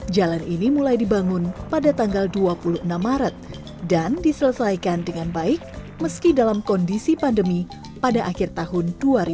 jalan ini mulai dibangun pada tanggal dua puluh enam maret dan diselesaikan dengan baik meski dalam kondisi pandemi pada akhir tahun dua ribu dua puluh